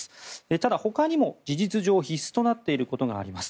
ただ、ほかにも事実上、必須となっていることがあります。